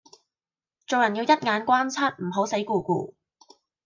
做人要一眼關七唔好死咕咕